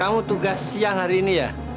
kamu tugas siang hari ini ya